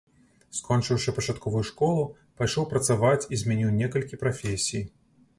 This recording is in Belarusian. Скончыўшы пачатковую школу, пайшоў працаваць і змяніў некалькі прафесій.